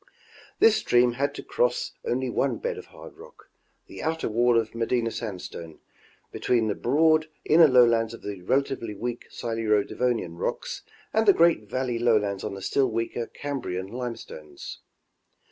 This stream had to cross only one bed of hard rock, the outer wall of Medina sandstone, between the broad inner lowlands of the rela tively weak Siluro Devonian rocks and the great valley lowlands on the still weaker Cambrian limestones.